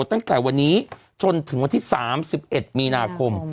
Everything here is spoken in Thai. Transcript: ตั้งแต่วันนี้จนถึงวันที่๓๑มีนาคม